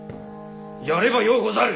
やればようござる！